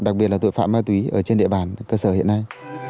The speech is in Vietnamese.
đặc biệt là tội phạm ma túy ở trên địa bàn cơ sở hiện nay